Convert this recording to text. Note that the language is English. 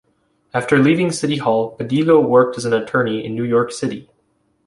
After leaving City Hall, Badillo worked as an attorney in New York City.